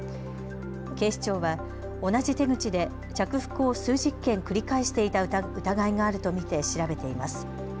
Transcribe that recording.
警視庁は同じ手口で着服を数十件繰り返していた疑いがあると見て調べています。